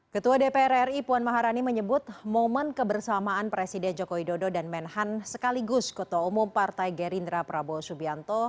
ketua dpr ri puan maharani menyebut momen kebersamaan presiden joko widodo dan menhan sekaligus ketua umum partai gerindra prabowo subianto